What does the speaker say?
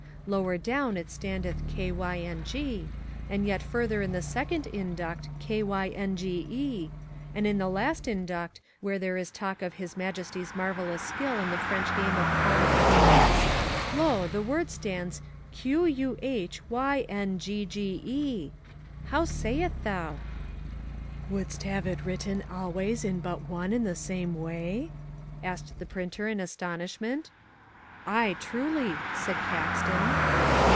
Lower down it standeth Kyng, and yet further in the second induct Kynge, and in the last induct where there is talk of His Majesty's marvelous skill in the French game of palm or tennis, lo the word stands Quhyngge! How sayeth thou?" "Wouldst have it written always in but one and the same way?" asked the printer in astonishment. "Aye, truly," said Caxton.